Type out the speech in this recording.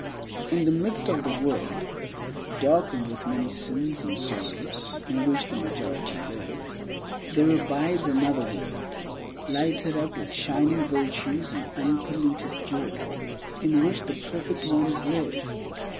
In the midst of the world, darkened with many sins and sorrows, in which the majority live, there abides another world, lighted up with shining virtues and unpolluted joy, in which the perfect ones live.